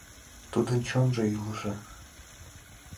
Тудын чонжо йӱлыжӧ.